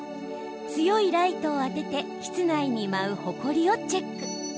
強いライトを当てて室内に舞うほこりをチェック！